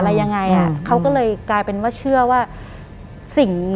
หลังจากนั้นเราไม่ได้คุยกันนะคะเดินเข้าบ้านอืม